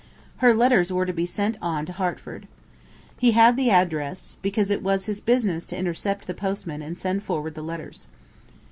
Her letters were to be sent on to Hertford. He had the address, because it was his business to intercept the postman and send forward the letters.